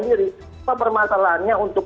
diri pempermasalahannya untuk